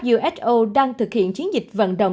who đang thực hiện chiến dịch vận động